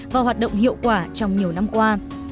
và hoạt động hiệu quả trong nhiều năm qua